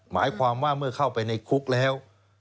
หมายความว่าเมื่อเข้าไปในคุกแล้ว